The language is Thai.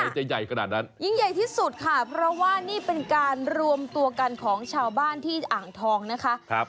จะใหญ่ขนาดนั้นยิ่งใหญ่ที่สุดค่ะเพราะว่านี่เป็นการรวมตัวกันของชาวบ้านที่อ่างทองนะคะ